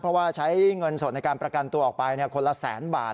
เพราะว่าใช้เงินสดในการประกันตัวออกไปคนละแสนบาท